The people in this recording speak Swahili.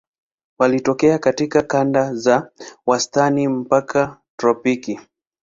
Wanatokea katika kanda za wastani mpaka tropiki.